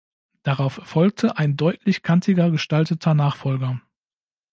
Darauf folgte ein deutlich kantiger gestalteter Nachfolger.